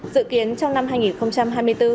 dự kiến trong năm hai nghìn hai mươi bốn